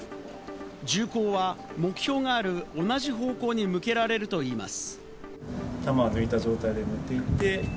銃口は目標がある同じ方向に向けられるといいます。